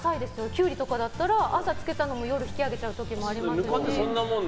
キュウリだったら朝つけたのを夜引き揚げちゃう時もあるし。